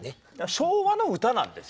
昭和の歌なんですよ。